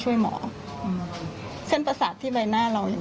จากหมอปลอมคนนี้อีก๑๐๐๐นาทักคน